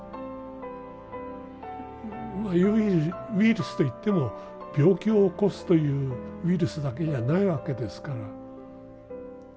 ウイルスといっても病気を起こすというウイルスだけじゃないわけですから。